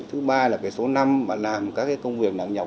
thứ ba là số năm mà làm các cái công việc nặng nhọc